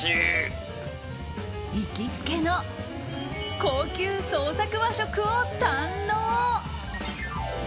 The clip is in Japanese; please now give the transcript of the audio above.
行きつけの高級創作和食を堪能。